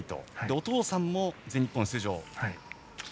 お父さんも全日本出場。